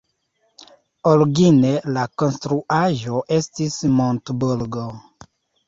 Origine la konstruaĵo estis montburgo.